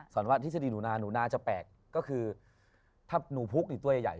ว่าทฤษฎีหนูนาหนูน่าจะแปลกก็คือถ้าหนูพุกนี่ตัวใหญ่